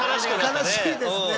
悲しいですね。